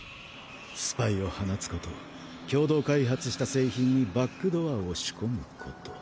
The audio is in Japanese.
スパイを放つこと共同開発した製品にバックドアを仕込むこと。